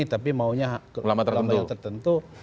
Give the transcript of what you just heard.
tapi maunya ulama yang tertentu